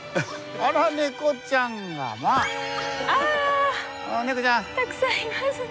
あらたくさんいますね。